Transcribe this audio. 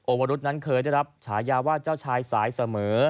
วรุษนั้นเคยได้รับฉายาว่าเจ้าชายสายเสมอ